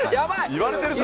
言われてるよ。